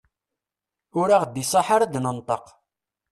Ur aɣ-d-iṣaḥ ara ad d-nenṭeq.